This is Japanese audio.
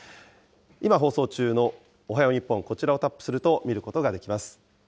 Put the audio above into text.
今、放送中のおはよう日本、こちらをタップすると、見ることができます。